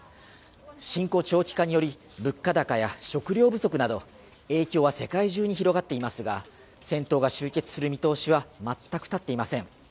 侵攻長期化により物価高や食料不足など影響は世界中に広がっていますが戦闘が終結する見通しは全く立っていません。